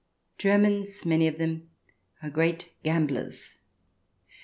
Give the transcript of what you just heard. Germans, many of them, are great gamblers.